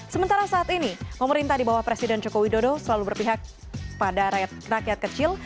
sementara saat ini pemerintah di bawah presiden joko widodo selalu berpihak pada rakyat kecil